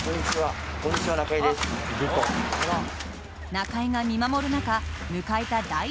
中居が見守る中迎えた第１打席。